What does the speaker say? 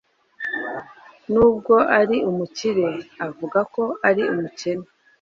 Nubwo ari umukire, avuga ko ari umukene.